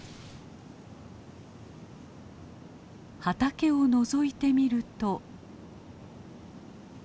畑をのぞいてみると。